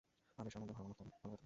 আর বেশ্যার মধ্যে ভালো মহিলা থাকে।